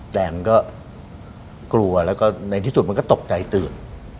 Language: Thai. แนนก็กลัวแล้วก็ในที่สุดมันก็ตกใจตื่น